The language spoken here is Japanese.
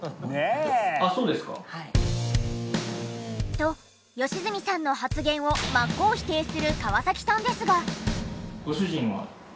と良純さんの発言を真っ向否定する河崎さんですが。